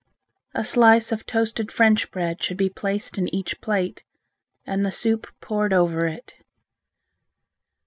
A slice of toasted French bread should be placed in each plate, and the soup poured over it.